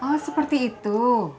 oh seperti itu